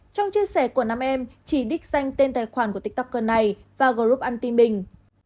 trong chia sẻ của nam em chỉ đích danh tên tài khoản của tiktoker này vào group anti mình